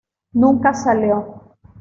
Nunca salió.